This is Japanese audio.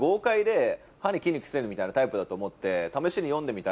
歯に衣着せぬみたいなタイプだと思って。